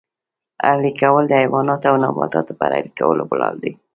اهلي کول د حیواناتو او نباتاتو پر اهلي کولو ولاړ دی